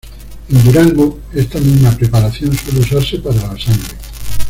En Durango, esta misma preparación suele usarse para la sangre.